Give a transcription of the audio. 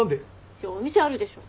いやお店あるでしょ。